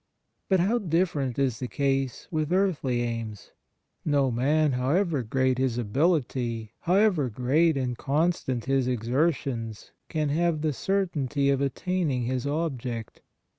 But how different is the case with earthly aims. No man, however great his ability, however great and constant his exertions, can have the certainty of attaining his object.